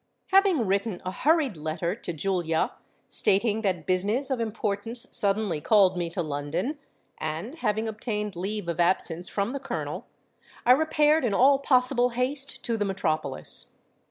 Having written a hurried letter to Julia, stating that business of importance suddenly called me to London, and having obtained leave of absence from the colonel, I repaired in all possible haste to the metropolis.